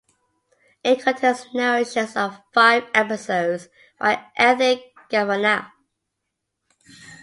It contains narrations of five episodes by Anthony Kavanagh.